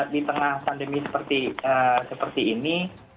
di tengah pandemi seperti ini